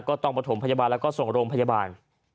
ก็ต้องประถมพยาบาลแล้วก็ส่งโรงพยาบาล